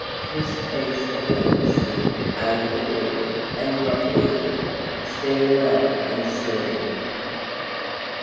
Twist piece of Lemon Skin over the drink and drop it in. Stir well and serve.